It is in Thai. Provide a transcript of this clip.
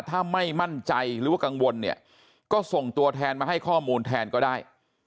ถ้าไม่มั่นใจหรือว่ากังวลเนี่ยก็ส่งตัวแทนมาให้ข้อมูลแทนก็ได้